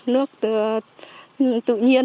nước tự nhiên